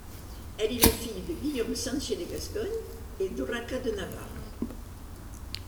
Elle est la fille de Guillaume Sanche de Gascogne et d'Urraca de Navarre.